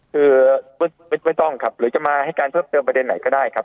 คือไม่ต้องครับหรือจะมาให้การเพิ่มเติมประเด็นไหนก็ได้ครับ